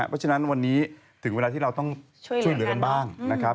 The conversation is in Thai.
เพราะฉะนั้นวันนี้ถึงเวลาที่เราต้องช่วยเหลือกันบ้างนะครับ